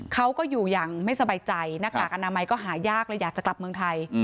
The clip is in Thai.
เขาก็อยู่อย่างไม่สบายใจหน้ากากอนามัยก็หายากเลยอยากจะกลับเมืองไทย